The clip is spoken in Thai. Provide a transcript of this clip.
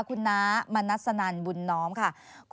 คุณน้ามณัสนันบุญน้อมค่ะ